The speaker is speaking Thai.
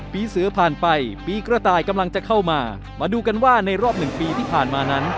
ปีเสือผ่านไปปีกระต่ายกำลังจะเข้ามามาดูกันว่าในรอบหนึ่งปีที่ผ่านมานั้น